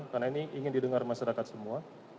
karena ini ingin didengar masyarakat semua